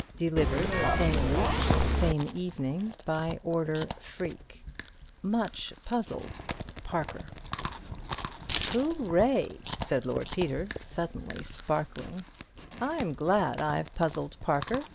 Delivered St. Luke's same evening by order Freke. Much puzzled. Parker." "Hurray!" said Lord Peter, suddenly sparkling. "I'm glad I've puzzled Parker.